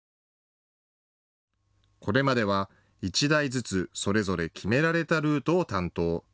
これまでは１台ずつ、それぞれ決められたルートを担当。